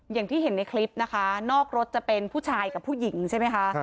อย่างที่เห็นในคลิปนะคะนอกรถจะเป็นผู้ชายกับผู้หญิงใช่ไหมคะ